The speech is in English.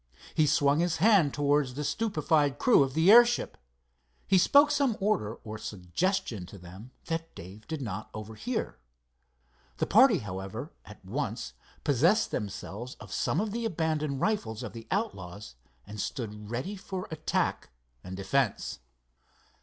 He swung his hand towards the stupefied crew of the airship. He spoke some order or suggestion to them that Dave did not overhear. The party, however, at once possessed themselves of some of the abandoned rifles of the outlaws and stood ready for attack and defence.